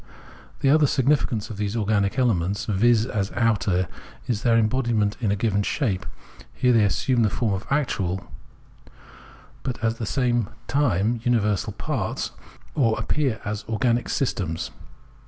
The other significance of these organic elements, viz. as outer, is their embodiment in a given shape ; here they assume the form of actual but at the same VOL. I.— S 258 Phenomenology of Mind time universal parts, or appear as organic systems.